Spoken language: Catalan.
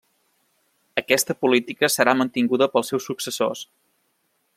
Aquesta política serà mantinguda pels seus successors.